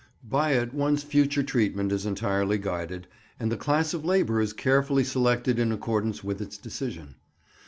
By it one's future treatment is entirely guided, and the class of labour is carefully selected in accordance with its decision.